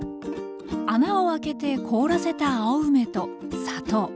穴を開けて凍らせた青梅と砂糖